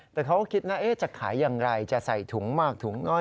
แต่เขาก็คิดนะจะขายอย่างไรจะใส่ถุงมากถุงน้อย